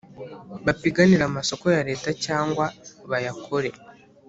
Bapiganire amasoko ya leta cyangwa bayakore